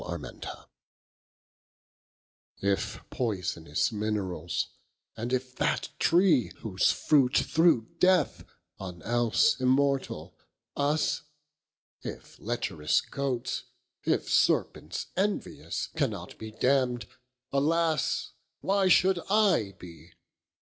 IX If poysonous mineralls, and if that tree, Whose fruit threw death on else immortall us, If lecherous goats, if serpents envious Cannot be damn'd; Alas; why should I bee?